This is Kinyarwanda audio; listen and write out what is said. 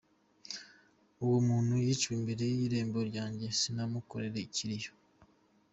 Uwo muntu yiciwe imbere y’irembo ryanjye sinamukorera ikiriyo.